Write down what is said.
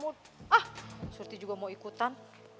surti sama si nyobes ah surti juga mau ikutan